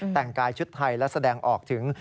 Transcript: แต่งกายชุดไทยและแสดงออกถึง